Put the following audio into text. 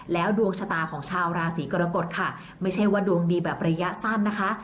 แล้วดวงชะตาของชาวราศีกรกฎค่ะไม่ใช่ว่าดวงดีแบบระยะสั้นนะคะ